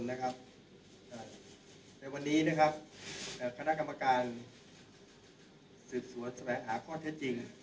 ในวันนี้นะครับคณะกรรมการสืบสวนแสวงหาข้อเท็จจริง